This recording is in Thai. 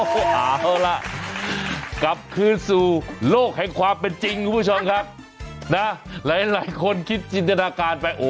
เอาล่ะกลับคืนสู่โลกแห่งความเป็นจริงคุณผู้ชมครับนะหลายคนคิดจินตนาการไป